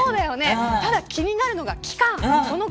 ただ、気になるのが期間。